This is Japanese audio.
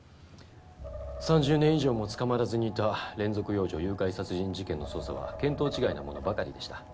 ３０年以上も捕まらずにいた連続幼女誘拐殺人事件の捜査は見当違いなものばかりでした。